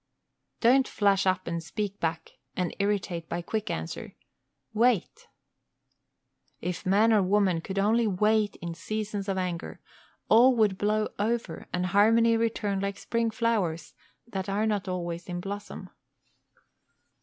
Don't flash up and speak back, and irritate by quick answer. Wait! If man or woman could only wait in seasons of anger, all would blow over and harmony return like spring flowers, that are not always in blossom.